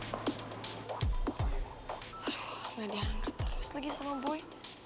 aduh gak dianggap terus lagi sama boy